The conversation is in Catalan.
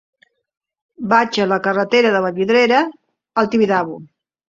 Vaig a la carretera de Vallvidrera al Tibidabo.